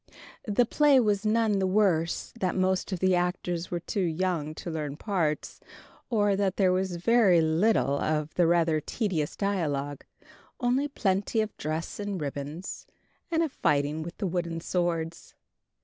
The play was none the worse that most of the actors were too young to learn parts, so that there was very little of the rather tedious dialogue, only plenty of dress and ribbons, and of fighting with the wooden swords.